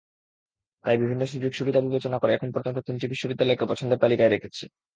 তাই বিভিন্ন সুযোগ-সুবিধা বিবেচনা করে এখন পর্যন্ত তিনটি বিশ্ববিদ্যালয়কে পছন্দের তালিকায় রেখেছি।